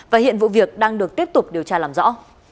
và hiện vụ việc đang được tiếp tục điều tra làm rõ